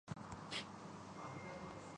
آج انتخابات ہوں۔